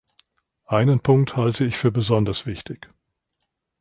Einen Punkt halte ich für besonders wichtig.